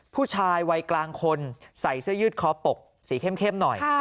ผู้ชายวัยกลางคนใส่เสื้อยืดคอปกสีเข้มหน่อย